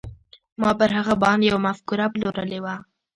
ما پر هغه باندې يوه مفکوره پلورلې وه.